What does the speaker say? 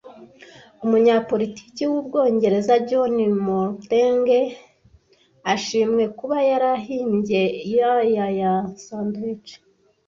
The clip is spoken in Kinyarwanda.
Umunyapolitiki w’Ubwongereza John Montigue ashimwe kuba yarahimbye Earl ya ya Sandwich